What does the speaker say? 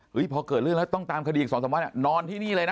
เฮ้ยพอเกิดเรื่องแล้วต้องตามคดีอีกสองสามวันอ่ะนอนที่นี่เลยนะ